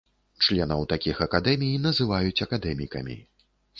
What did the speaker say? Членаў такіх акадэмій называюць акадэмікамі.